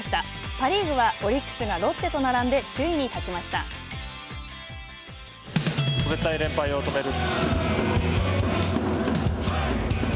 パ・リーグはオリックスがロッテと並んで絶対、連敗を止める。